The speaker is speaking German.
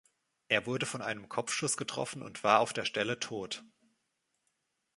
Er wurde von einem Kopfschuss getroffen und war auf der Stelle tot.